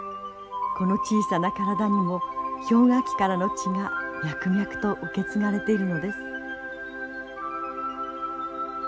この小さな体にも氷河期からの血が脈々と受け継がれているのです。